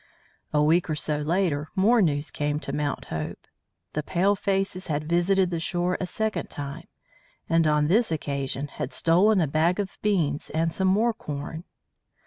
A week or so later, more news came to Mount Hope. The palefaces had visited the shore a second time, and on this occasion had stolen a bag of beans and some more corn.